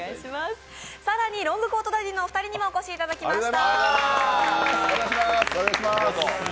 更にロングコートダディのお二人にもお越しいただきました。